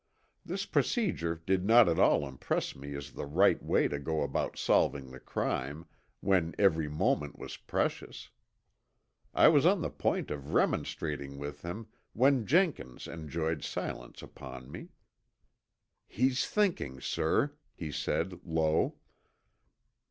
This procedure did not at all impress me as the right way to go about solving the crime, when every moment was precious. I was on the point of remonstrating with him when Jenkins enjoined silence upon me. "He's thinking, sir," he said low.